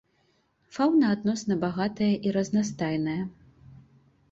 Фаўна адносна багатая і разнастайная.